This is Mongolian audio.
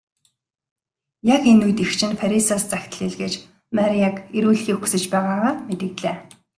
Яг энэ үед эгч нь Парисаас захидал илгээж Марияг ирүүлэхийг хүсэж байгаагаа мэдэгдлээ.